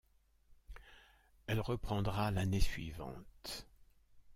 Elle reprendra l'année suivante.